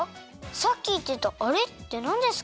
さっきいってたあれってなんですか？